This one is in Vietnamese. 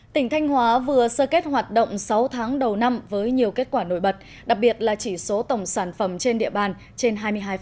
tỉnh thanh hóa vừa sơ kết hoạt động sáu tháng đầu năm với nhiều kết quả nổi bật đặc biệt là chỉ số tổng sản phẩm trên địa bàn trên hai mươi hai